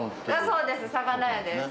そうです魚屋です。